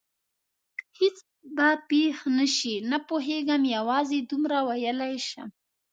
هېڅ به پېښ نه شي؟ نه پوهېږم، یوازې دومره ویلای شم.